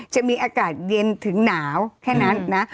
จะมีอากาศเย็นถึงหนาวแค่นั้นนะ